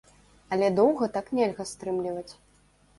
Але доўга так нельга стрымліваць.